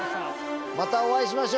またお会いしましょう数年後！